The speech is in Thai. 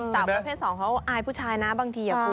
จากว่าเพศ๒เขาอายผู้ชายนะบางที